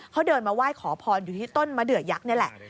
เขาเดินมาไหว้ขอพรอยู่ที่ต้นมะเดือยักษ์นี่แหละ